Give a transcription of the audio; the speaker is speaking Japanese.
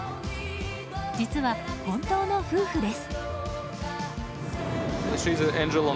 実は本当の夫婦です。